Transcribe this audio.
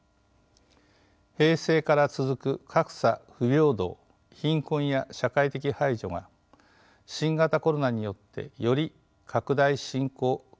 平成から続く格差不平等貧困や社会的排除が新型コロナによってより拡大・進行・加速化したと言えます。